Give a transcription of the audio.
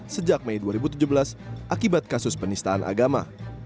sejak mei dua ribu tujuh belas akibat kasus penistaan agama